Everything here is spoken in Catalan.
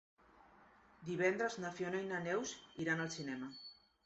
Divendres na Fiona i na Neus iran al cinema.